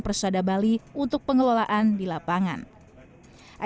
sementara angkutan kspn disiapkan sebanyak dua belas armada